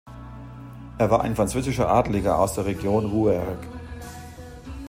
Er war ein französischer Adliger aus der Region Rouergue.